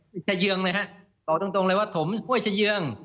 ปิดจะยื้องเลยครับบอกตรงเลยว่าถมห้วยจะยื้อง